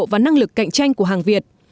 và năng lực cạnh tranh của hàng việt